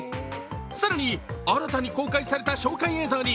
更に、新たに公開された紹介映像に